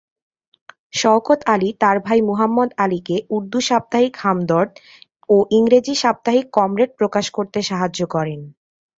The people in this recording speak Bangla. শওকত আলি তার ভাই মুহাম্মদ আলিকে উর্দু সাপ্তাহিক "হামদর্দ" ও ইংরেজি সাপ্তাহিক "কমরেড" প্রকাশ করতে সাহায্য করেন।